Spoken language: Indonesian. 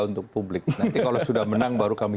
untuk publik nanti kalau sudah menang baru kami